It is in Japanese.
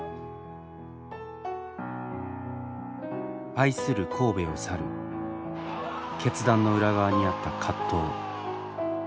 「愛する神戸を去る」決断の裏側にあった葛藤。